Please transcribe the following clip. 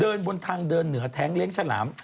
บนทางเดินเหนือแท้งเลี้ยงฉลาม